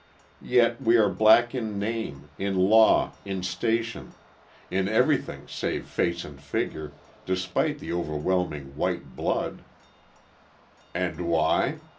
Yet we are black in name, in law, in station, in everything save face and figure, despite the overwhelming white blood. And why?